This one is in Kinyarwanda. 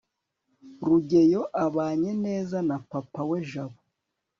rugeyo abanye neza na papa wa jabo